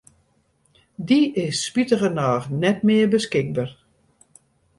Dy is spitigernôch net mear beskikber.